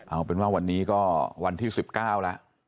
เอาเป็นว่าวันนี้ก็วันที่๑๙แล้ว